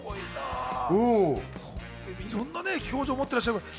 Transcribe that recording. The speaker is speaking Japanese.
いろんな表情を持ってらっしゃる。